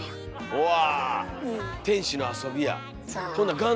うわ。